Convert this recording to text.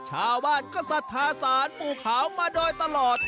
ชาวบ้านก็ศรัทธาสารปู่ขาวมาโดยตลอด